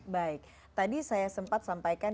baik tadi saya sempat sampaikan